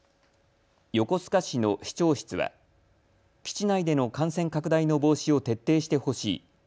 横須賀市の市長室は基地内での感染拡大の防止を徹底してほしい。